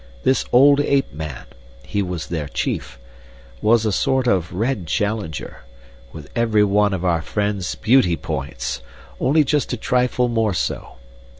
This old ape man he was their chief was a sort of red Challenger, with every one of our friend's beauty points, only just a trifle more so.